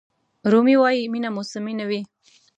رومي وایي مینه موسمي نه وي.